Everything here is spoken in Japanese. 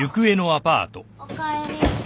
おかえり。